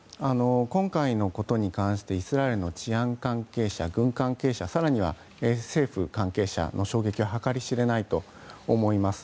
今回のことに関してイスラエルの治安関係者、軍関係者更には、政府関係者の衝撃は計り知れないと思います。